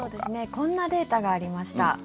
こんなデータがありました。